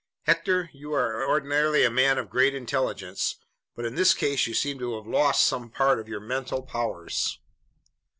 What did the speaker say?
"Hector, you are ordinarily a man of great intelligence, but in this case you seem to have lost some part of your mental powers."